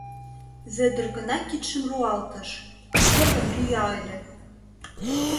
Вӧдыр гына кидшым руалтыш, уке гын лӱя ыле.